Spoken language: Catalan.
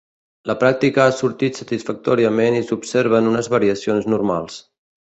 La pràctica ha sortit satisfactòriament i s'observen unes variacions normals.